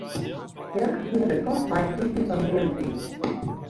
Tsjerk fertsjinne de kost mei it slypjen fan meanmasines.